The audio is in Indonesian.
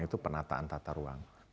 itu penataan tata ruang